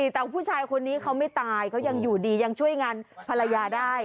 แต่ผู้ชายคนนี้เขาไม่ตายเขายังอยู่ดียังช่วยงานภรรยาได้